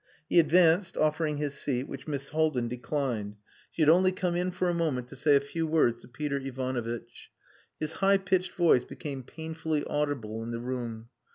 He advanced, offering his seat, which Miss Haldin declined. She had only come in for a moment to say a few words to Peter Ivanovitch. His high pitched voice became painfully audible in the room.